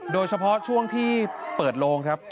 โดยเฉพาะช่วงที่เปิดโลงครับ